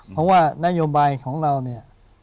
เพราะว่านโยบายของเราเนี่ย